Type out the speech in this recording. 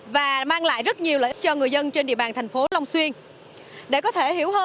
vâng ạ xin cảm ơn cô ạ